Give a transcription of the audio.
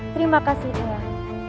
terima kasih ayah